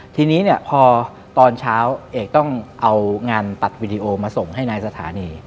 ทีนี้เนี่ยพอตอนเช้าเอกต้องเอางานตัดวีดีโอมาส่งให้นายสถานี